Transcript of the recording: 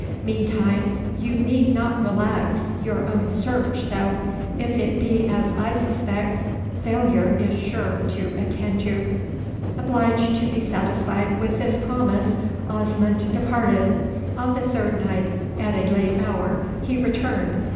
Meantime, you need not relax your own search, though, if it be as I suspect, failure is sure to attend you." Obliged to be satisfied with this promise, Osmond departed. On the third night, at a late hour, he returned.